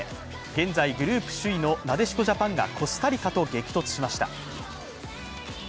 現在グループ首位のなでしこジャパンがコスタリカと激突しました。